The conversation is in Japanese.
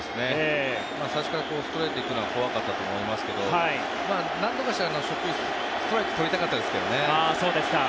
最初からストレート行くのは怖かったと思いますけどなんとか初球、ストライク取りたかったですけどね。